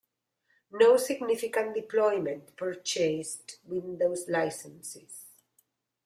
No significant deployment purchased Windows licenses.